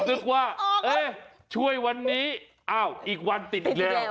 นึกว่าช่วยวันนี้อ้าวอีกวันติดอีกแล้ว